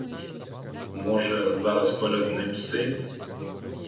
Може, зараз перед ним син?